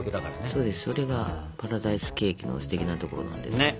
そうですそれがパラダイスケーキのすてきなところなんですよ。